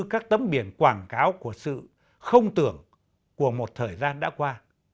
các tấm biển quảng cáo của sự không tưởng của một thời gian đã qua